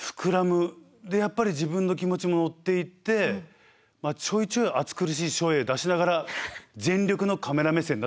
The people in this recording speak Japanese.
でやっぱり自分の気持ちも乗っていってちょいちょい暑苦しい照英出しながら全力のカメラ目線になってしまいました。